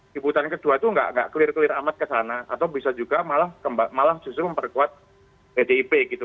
di putaran kedua itu nggak clear clear amat kesana atau bisa juga malah justru memperkuat pdip gitu